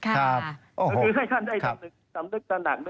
ก็คือให้ท่านได้สำนึกตระหนัก